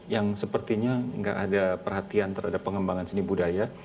yang sepertinya nggak ada perhatian terhadap pengembangan seni budaya